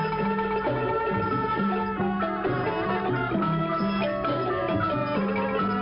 เวลาสิบหกนาฬิกาเสด็จพระราชดำเนินโดยกระบวนราบใหญ่ไปวัดพระศรีรักษณะศาสตราราม